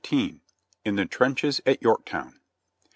■ IN THE TRENCHES AT YORKTOWN.